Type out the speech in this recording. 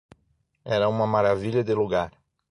Era uma maravilha de lugar.